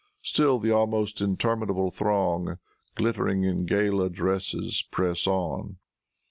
Still the almost interminable throng, glittering in gala dresses, press on.